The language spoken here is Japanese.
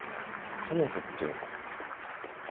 彼女って？